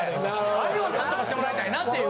あれは何とかしてもらいたいなっていう。